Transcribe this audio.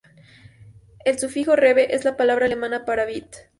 El sufijo "rebe" es la palabra alemana para vid.